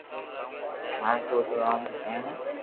ماري سوٽ رو نوم مدن ھي